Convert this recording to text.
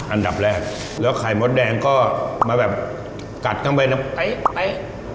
อันดับแรกแล้วไข่มดแดงก็มาแบบกัดข้างใบน้ำไตไต